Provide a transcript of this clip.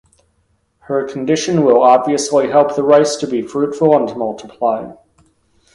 Her condition will obviously help the rice to be fruitful and multiply.